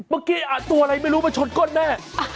เมื่อกี้ตัวอะไรมาชดก้นแม่